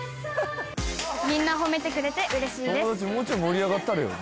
「みんな褒めてくれて嬉しいです」